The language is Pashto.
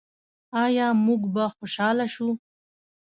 آیا موږ به خوشحاله شو؟